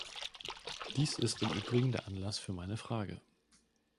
Dies ist im übrigen der Anlass für meine Frage.